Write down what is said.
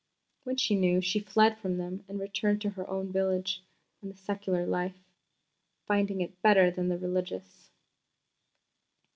When she knew, she fled from them and returned to her own village and the secular life, finding it better than the religious.